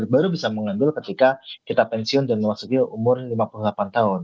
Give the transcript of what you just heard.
baru bisa mengambil ketika kita pensiun dan memasuki umur lima puluh delapan tahun